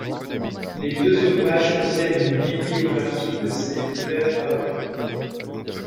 Les deux ouvrages contiennent une bibliographie de ses divers travaux.